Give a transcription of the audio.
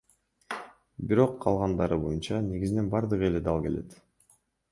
Бирок калгандары боюнча, негизинен бардыгы эле дал келет.